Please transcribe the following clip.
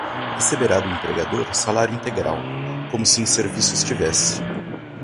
receberá do empregador salário integral, como se em serviço estivesse